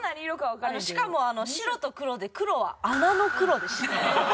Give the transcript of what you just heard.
しかも白と黒で黒は穴の黒でした。